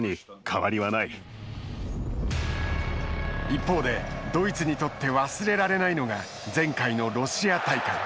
一方で、ドイツにとって忘れられないのが前回のロシア大会。